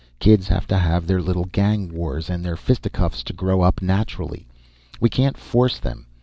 Kids have to have their little gang wars and their fisticuffs to grow up naturally. We can't force them.